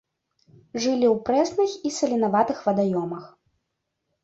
Жылі ў прэсных і саленаватых вадаёмах.